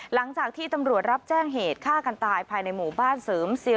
หลังจากที่ตำรวจรับแจ้งเหตุฆ่ากันตายภายในหมู่บ้านเสริมเซีย